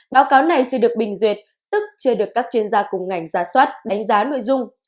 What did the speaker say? báo cáo này chưa được bình duyệt tức chưa được các chuyên gia cùng ngành giả soát đánh giá nội dung